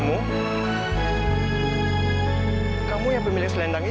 aku pilih kayak yangentry mengambil bayi important aku